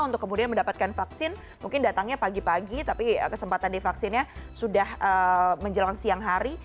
untuk kemudian mendapatkan vaksin mungkin datangnya pagi pagi tapi kesempatan di vaksinnya sudah menjelang siang hari